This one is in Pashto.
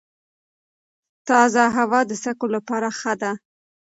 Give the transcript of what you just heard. تازه هوا د سږو لپاره ښه ده.